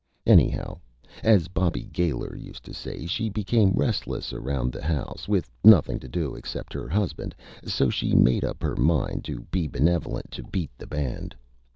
Annyhow, as Bobby Gaylor used to say, she became restless around the House, with nothing to do except her Husband, so she made up her mind to be Benevolent to beat the Band.